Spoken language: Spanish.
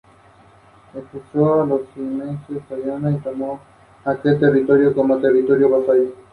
Es una especie de amplia distribución que no se considera amenazada.